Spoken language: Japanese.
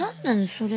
それ。